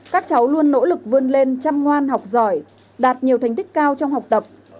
các cháu luôn nỗ lực vươn lên chăm ngoan học giỏi đạt nhiều thành tích cao trong học tập